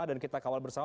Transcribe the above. dan kita kawal bersama